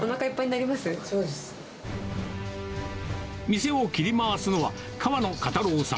店を切り回すのは、河野袈太郎さん。